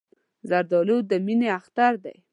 زردالو د مینې اختر دی.